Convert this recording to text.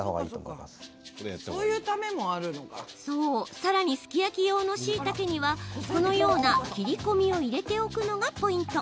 さらにすき焼き用のしいたけにはこのような切り込みを入れておくのがポイント。